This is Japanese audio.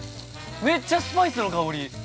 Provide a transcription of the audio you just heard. めっちゃスパイスの香り。